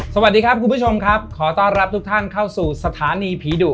สวัสดีครับคุณผู้ชมครับขอต้อนรับทุกท่านเข้าสู่สถานีผีดุ